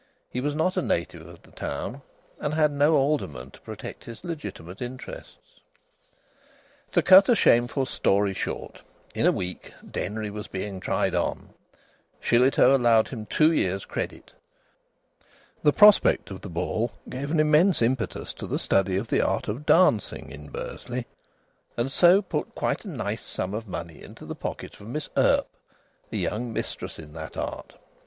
He was not a native of the town, and had no alderman to protect his legitimate interests. To cut a shameful story short, in a week Denry was being tried on. Shillitoe allowed him two years' credit. The prospect of the ball gave an immense impetus to the study of the art of dancing in Bursley, and so put quite a nice sum of money info the pocket of Miss Earp, a young mistress in that art.